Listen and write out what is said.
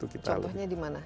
contohnya di mana